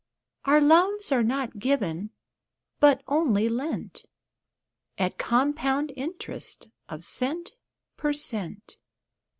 Our loves are not given, but only lent, At compound interest of cent per cent.